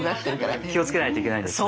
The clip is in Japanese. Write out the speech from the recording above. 気をつけないといけないですが。